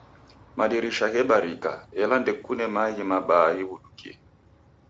Madirisha ghebarika, ela ndekune maaghi mabaa ghibudukie